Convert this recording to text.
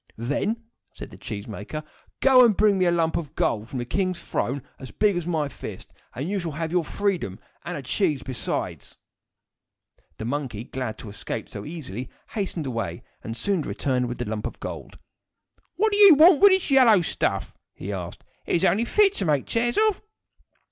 "Then," said the cheese maker, "go and bring me a lump of gold from the king's throne as big as my fist, and you shall have your freedom and a cheese besides." The monkey, glad to escape so easily, hastened away, and soon returned with the lump of gold. "What do you want of this yellow stuff?" he asked. "It is only fit to make chairs of."